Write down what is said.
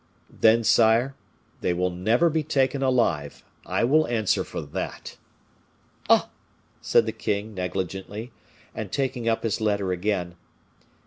"Then, sire, they will never be taken alive, I will answer for that." "Ah!" said the king, negligently, and taking up his letter again.